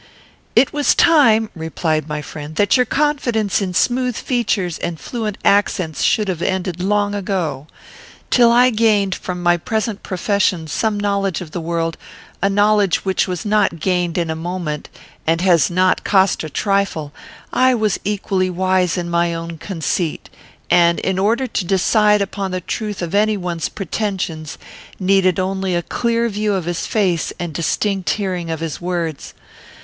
"It was time," replied my friend, "that your confidence in smooth features and fluent accents should have ended long ago. Till I gained from my present profession some knowledge of the world, a knowledge which was not gained in a moment, and has not cost a trifle, I was equally wise in my own conceit; and, in order to decide upon the truth of any one's pretensions, needed only a clear view of his face and a distinct hearing of his words.